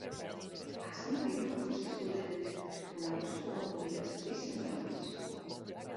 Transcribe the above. Esmu pirmā kursa studente, un augstskola man bija kas pavisam jauns.